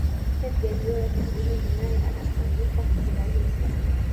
pep guardiola siku hizi naye anafungika kirahisi